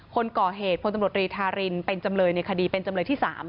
คนก่อเหตุพลตำรวจรีธารินเป็นจำเลยในคดีเป็นจำเลยที่๓